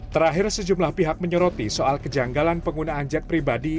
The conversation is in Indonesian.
terakhir sejumlah pihak menyoroti soal kejanggalan penggunaan jet pribadi